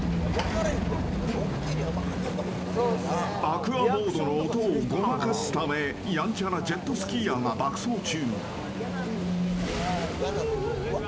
アクアボードの音をごまかすためやんちゃなジェットスキーヤーが爆走中。